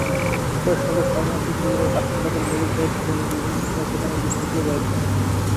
একই সঙ্গে শরণার্থীশিবিরের বাসিন্দাদের মৌলিক চাহিদা পূরণে বিভিন্ন সেবা প্রদানের বিষয়টিও রয়েছে।